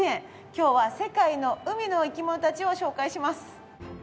今日は世界の海の生き物たちを紹介します。